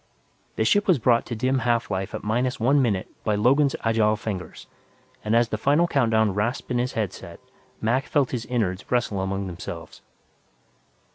The ship was brought to dim half life at minus one minute by Logan's agile fingers, and as the final countdown rasped in his headset, Mac felt his innards wrestle among themselves.